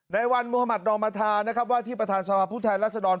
ในวันมุหมัตินอมธานะครับว่าที่ประธานสภาพผู้แทนรัศดร